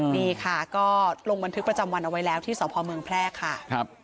นี่ค่ะก็ลงบันทึกประจำวันเอาไว้แล้วที่สพเมืองแพร่ค่ะ